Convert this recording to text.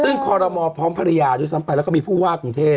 ซึ่งคอรมอพร้อมภรรยาด้วยซ้ำไปแล้วก็มีผู้ว่ากรุงเทพ